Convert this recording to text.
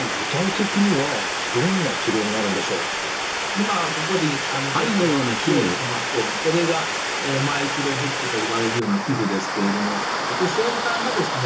今ここにちょっと用意してますけどこれがマイクロフックといわれるような器具ですけれどもこれ先端がですね